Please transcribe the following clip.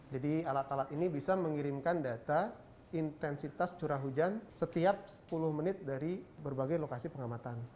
jadi alat alat ini bisa mengirimkan data intensitas curah hujan setiap sepuluh menit dari berbagai lokasi pengamatan